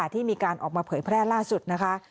ที่มีการออกมาเผยแพร่ล่าสุดนะคะ